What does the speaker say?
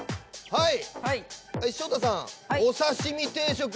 はい。